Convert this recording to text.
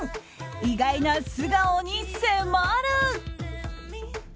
意外な素顔に迫る。